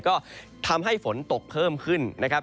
ก็ทำให้ฝนตกเพิ่มขึ้นนะครับ